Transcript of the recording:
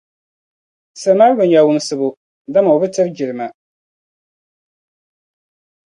Samaru bi nya wumsibu, dama o bi tiri jilima